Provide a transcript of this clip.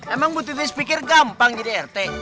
emang bu titis pikir gampang jadi rt